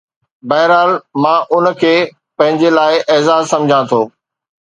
بهرحال، مان ان کي پنهنجي لاءِ اعزاز سمجهان ٿو